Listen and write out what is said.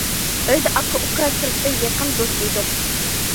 ئۆيدە ئاكا- ئۇكا، سىرتتا يېقىن دوست ئىدۇق.